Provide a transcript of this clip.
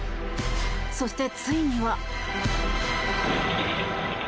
そしてついには。